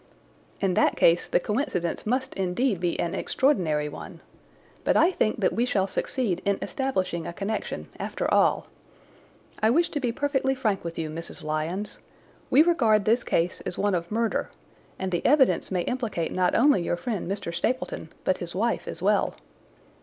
"In that case the coincidence must indeed be an extraordinary one. But I think that we shall succeed in establishing a connection, after all. I wish to be perfectly frank with you, Mrs. Lyons. We regard this case as one of murder, and the evidence may implicate not only your friend Mr. Stapleton but his wife as well."